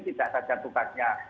tidak saja tugasnya